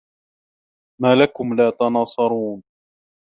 ما لَكُم لا تَناصَرونَ